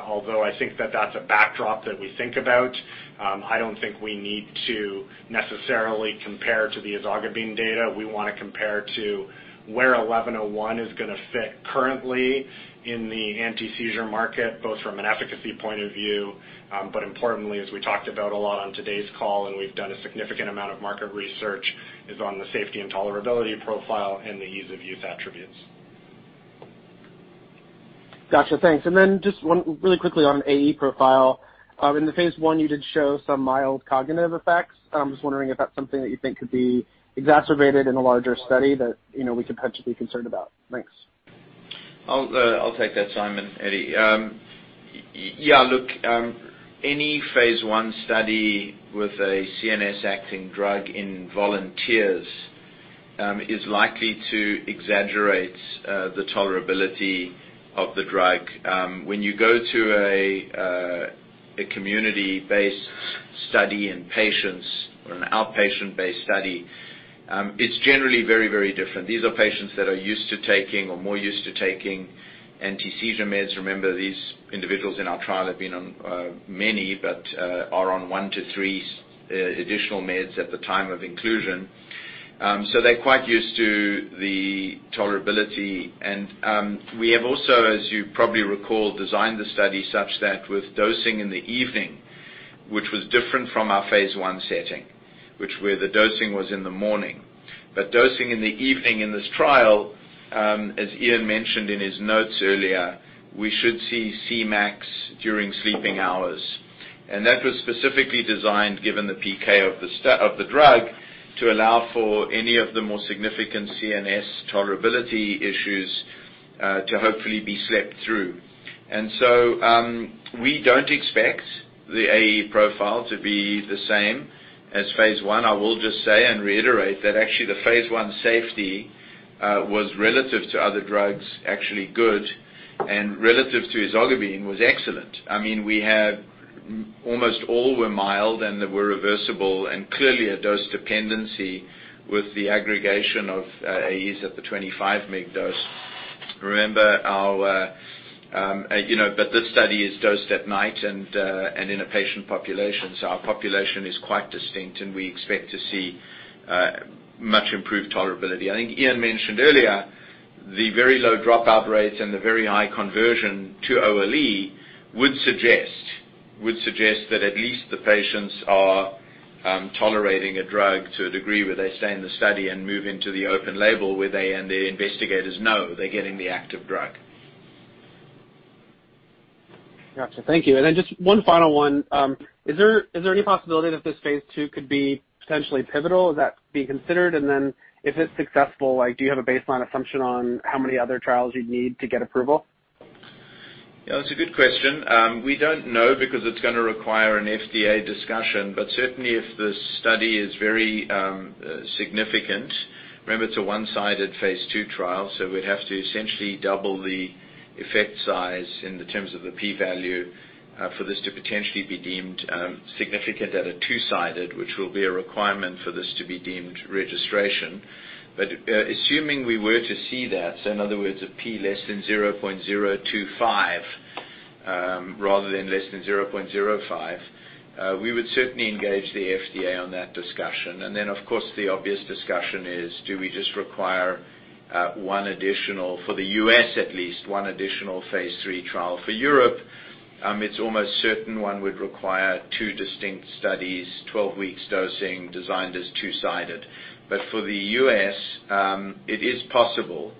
although I think that that's a backdrop that we think about, I don't think we need to necessarily compare to the ezogabine data. We want to compare to where 1101 is going to fit currently in the anti-seizure market, both from an efficacy point of view. Importantly, as we talked about a lot on today's call and we've done a significant amount of market research, is on the safety and tolerability profile and the ease of use attributes. Got you. Thanks. Then just one really quickly on AE profile. In the phase I, you did show some mild cognitive effects. I'm just wondering if that's something that you think could be exacerbated in a larger study that we could potentially be concerned about. Thanks. I'll take that, Simon. Eddie. Look, any phase I study with a CNS-acting drug in volunteers is likely to exaggerate the tolerability of the drug. When you go to a community-based study in patients or an outpatient-based study, it's generally very different. These are patients that are used to taking or more used to taking anti-seizure meds. Remember, these individuals in our trial have been on many, but are on one to three additional meds at the time of inclusion. They're quite used to the tolerability. We have also, as you probably recall, designed the study such that with dosing in the evening, which was different from our phase I setting, where the dosing was in the morning. Dosing in the evening in this trial, as Ian mentioned in his notes earlier, we should see Cmax during sleeping hours. That was specifically designed, given the PK of the drug, to allow for any of the more significant CNS tolerability issues to hopefully be slept through. We don't expect the AE profile to be the same as phase I. I will just say and reiterate that actually the phase I safety was relative to other drugs, actually good, and relative to ezogabine was excellent. Almost all were mild and they were reversible and clearly a dose dependency with the aggregation of AEs at the 25 mg dose. This study is dosed at night and in a patient population. Our population is quite distinct, and we expect to see much improved tolerability. I think Ian mentioned earlier the very low dropout rates and the very high conversion to OLE would suggest that at least the patients are tolerating a drug to a degree where they stay in the study and move into the open label, where they and their investigators know they're getting the active drug. Got you. Thank you. Just one final one. Is there any possibility that this phase II could be potentially pivotal? Is that being considered? If it's successful, do you have a baseline assumption on how many other trials you'd need to get approval? Yeah, it's a good question. We don't know because it's going to require an FDA discussion. Certainly if the study is very significant, remember it's a one-sided phase II trial, so we'd have to essentially double the effect size in the terms of the P value for this to potentially be deemed significant at a two-sided, which will be a requirement for this to be deemed registration. Assuming we were to see that, so in other words, a P less than 0.025 rather than less than 0.05, we would certainly engage the FDA on that discussion. Then, of course, the obvious discussion is do we just require one additional, for the U.S. at least, one additional phase III trial. For Europe, it's almost certain one would require two distinct studies, 12 weeks dosing, designed as two-sided. For the U.S., it is possible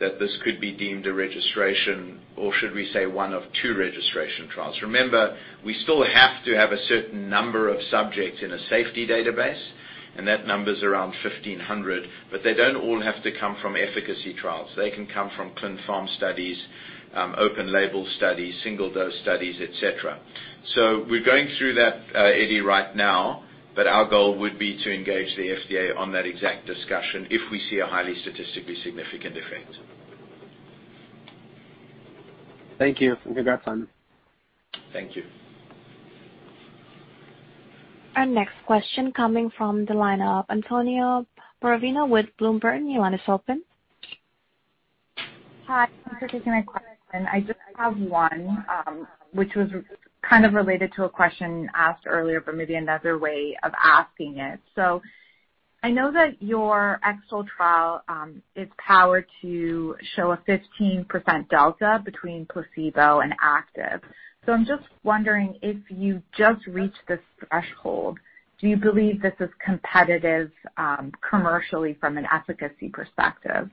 that this could be deemed a registration, or should we say one of two registration trials. Remember, we still have to have a certain number of subjects in a safety database, and that number's around 1,500. They don't all have to come from efficacy trials. They can come from clin pharm studies, open label studies, single dose studies, et cetera. We're going through that, Eddie, right now, but our goal would be to engage the FDA on that exact discussion if we see a highly statistically significant effect. Thank you, congrats on it. Thank you. Our next question coming from the lineup. Antonio Peruvino with Bloomberg, you want to start then? Hi. Thanks for taking my question. I just have one, which was kind of related to a question asked earlier, but maybe another way of asking it. I know that your X-TOLE trial is powered to show a 15% delta between placebo and active. I'm just wondering if you just reached this threshold, do you believe this is competitive commercially from an efficacy perspective?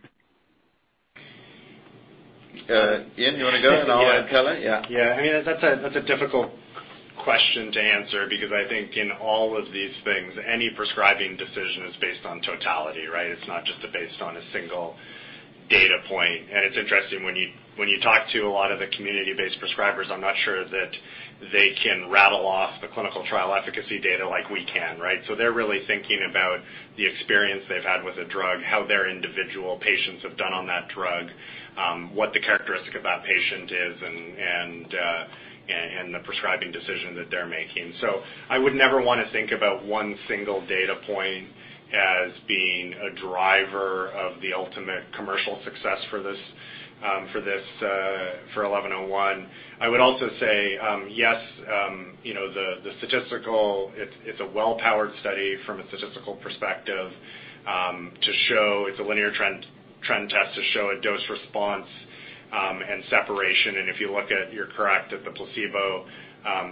Ian, you want to go and I'll comment? Yeah. Yeah. That's a difficult question to answer because I think in all of these things, any prescribing decision is based on totality, right? It's not just based on a single data point. It's interesting when you talk to a lot of the community-based prescribers, I'm not sure that they can rattle off the clinical trial efficacy data like we can, right? They're really thinking about the experience they've had with a drug, how their individual patients have done on that drug, what the characteristic of that patient is and the prescribing decision that they're making. I would never want to think about one single data point as being a driver of the ultimate commercial success for 1101. I would also say yes, it's a well-powered study from a statistical perspective to show it's a linear trend test to show a dose response, and separation. If you look at, you're correct, at the placebo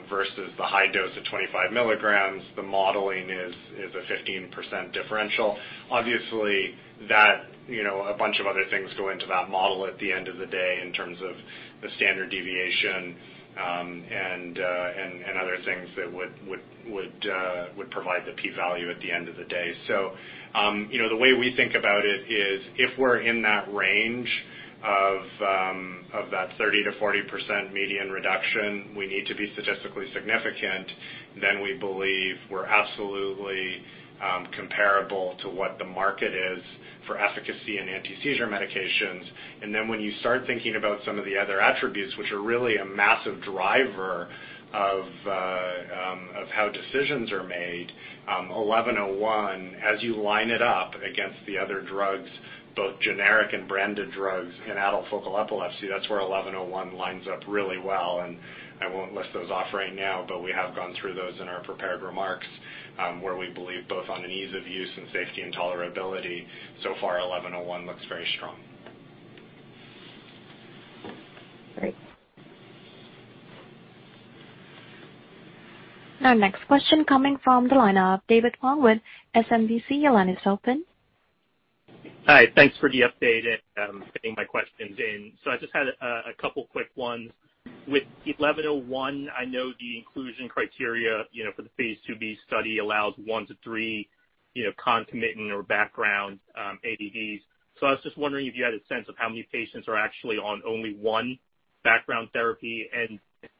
versus the high dose of 25 milligrams, the modeling is a 15% differential. Obviously, a bunch of other things go into that model at the end of the day in terms of the standard deviation, and other things that would provide the P value at the end of the day. The way we think about it is if we're in that range of that 30%-40% median reduction, we need to be statistically significant, then we believe we're absolutely comparable to what the market is for efficacy and anti-seizure medications. When you start thinking about some of the other attributes, which are really a massive driver of how decisions are made, XEN1101, as you line it up against the other drugs, both generic and branded drugs in adult focal epilepsy, that's where XEN1101 lines up really well. I won't list those off right now, but we have gone through those in our prepared remarks, where we believe both on an ease of use and safety and tolerability, so far XEN1101 looks very strong. Great. Our next question coming from the line of David Hoang with SMBC. Your line is open. Hi. Thanks for the update and getting my questions in. I just had a couple quick ones. With XEN1101, I know the inclusion criteria for the phase II-B study allows one to three concomitant or background ASMs. I was just wondering if you had a sense of how many patients are actually on only one background therapy.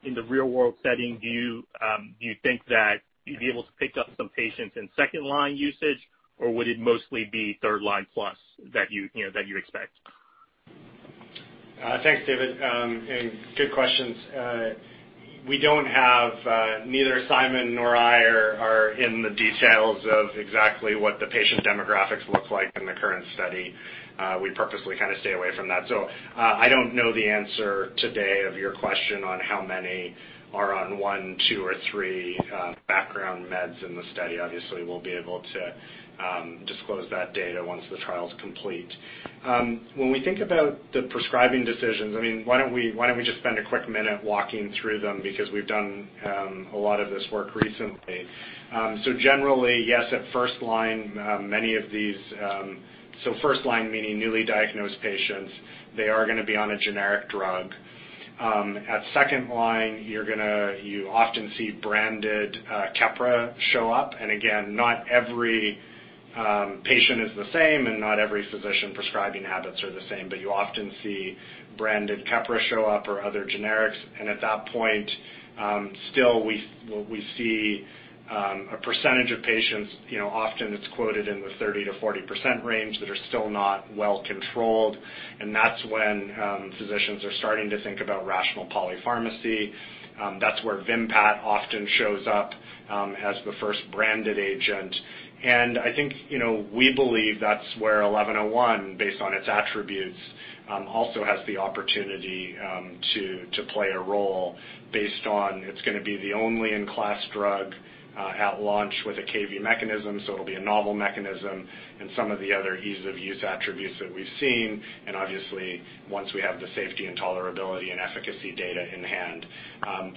In the real-world setting, do you think that you'd be able to pick up some patients in second-line usage, or would it mostly be third-line plus that you expect? Thanks, David. Good questions. Neither Simon nor I are in the details of exactly what the patient demographics look like in the current study. We purposely stay away from that. I don't know the answer today of your question on how many are on one, two, or three background meds in the study. Obviously, we'll be able to disclose that data once the trial is complete. When we think about the prescribing decisions, why don't we just spend a quick minute walking through them because we've done a lot of this work recently. Generally, yes, at first line, first line meaning newly diagnosed patients, they are going to be on a generic drug. At second line, you often see branded Keppra show up. Again, not every patient is the same and not every physician prescribing habits are the same, but you often see branded Keppra show up or other generics. At that point, still we see a percentage of patients, often it's quoted in the 30%-40% range, that are still not well-controlled. That's when physicians are starting to think about rational polypharmacy. That's where Vimpat often shows up as the first branded agent. I think, we believe that's where XEN1101, based on its attributes, also has the opportunity to play a role based on it's going to be the only in-class drug at launch with a Kv mechanism. It'll be a novel mechanism and some of the other ease-of-use attributes that we've seen, and obviously once we have the safety and tolerability and efficacy data in hand.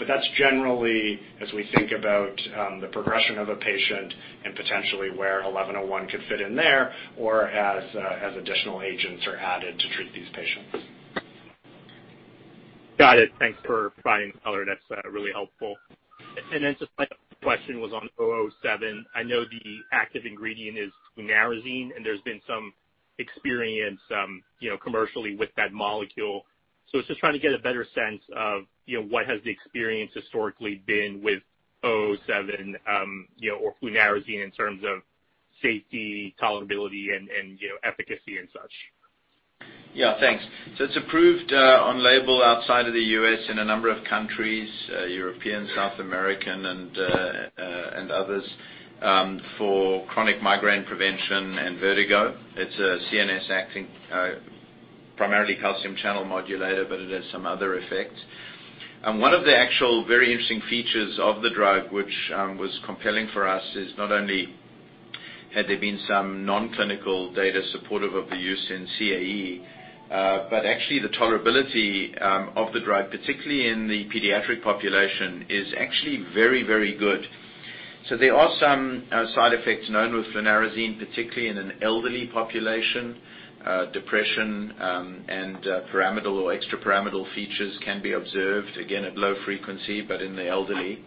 That's generally as we think about the progression of a patient and potentially where 1101 could fit in there or as additional agents are added to treat these patients. Got it. Thanks for providing color. That's really helpful. Just my other question was on XEN007. I know the active ingredient is flunarizine, there's been some experience commercially with that molecule. I was just trying to get a better sense of what has the experience historically been with XEN007 or flunarizine in terms of safety, tolerability, and efficacy and such. Yeah. Thanks. It's approved on label outside of the U.S. in a number of countries, European, South American, and others, for chronic migraine prevention and vertigo. It's a CNS-acting, primarily calcium channel modulator, but it has some other effects. One of the actual very interesting features of the drug, which was compelling for us, is not only had there been some non-clinical data supportive of the use in CAE, but actually the tolerability of the drug, particularly in the pediatric population, is actually very good. There are some side effects known with flunarizine, particularly in an elderly population. Depression and pyramidal or extrapyramidal features can be observed, again, at low frequency, but in the elderly.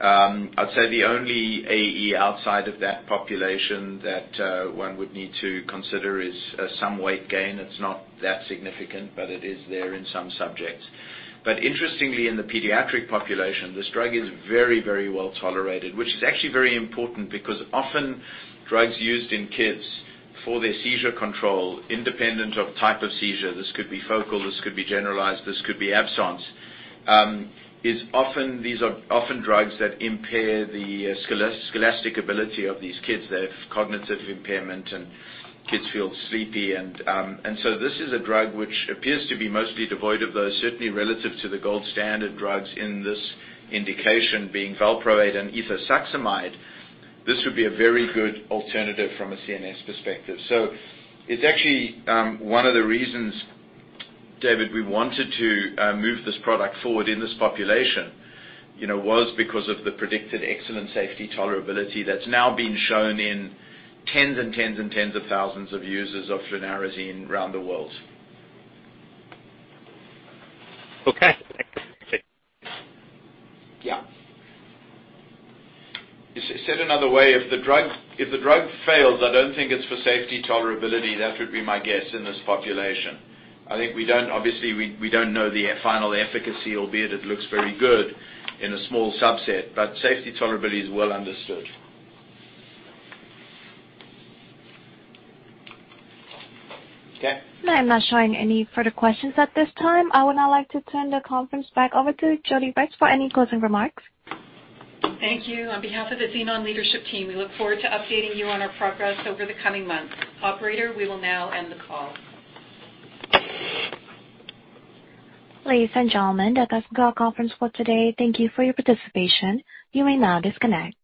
I'd say the only AE outside of that population that one would need to consider is some weight gain. It's not that significant, but it is there in some subjects. Interestingly, in the pediatric population, this drug is very well-tolerated, which is actually very important because often drugs used in kids for their seizure control, independent of type of seizure, this could be focal, this could be generalized, this could be absence, these are often drugs that impair the scholastic ability of these kids. They have cognitive impairment, and kids feel sleepy. This is a drug which appears to be mostly devoid of those, certainly relative to the gold standard drugs in this indication being valproate and ethosuximide. This would be a very good alternative from a CNS perspective. It's actually one of the reasons, David, we wanted to move this product forward in this population, was because of the predicted excellent safety tolerability that's now been shown in tens and tens of thousands of users of flunarizine around the world. Okay. Thanks. Said another way, if the drug fails, I don't think it's for safety tolerability. That would be my guess in this population. Obviously, we don't know the final efficacy, albeit it looks very good in a small subset, but safety tolerability is well understood. Okay. I'm not showing any further questions at this time. I would now like to turn the conference back over to Jodi Regts for any closing remarks. Thank you. On behalf of the Xenon leadership team, we look forward to updating you on our progress over the coming months. Operator, we will now end the call. Ladies and gentlemen, that does conclude our conference call today. Thank you for your participation. You may now disconnect.